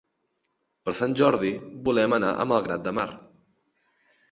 Per Sant Jordi volem anar a Malgrat de Mar.